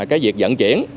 cái việc dẫn chỉ